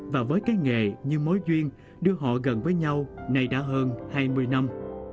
và với cái nghề như mối duyên đưa họ gần với nhau nay đã hơn hai mươi năm